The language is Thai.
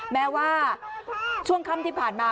แม้ว่าช่วงค่ำที่ผ่านมา